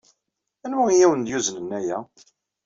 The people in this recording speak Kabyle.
Anwa ay awen-d-yuznen aya?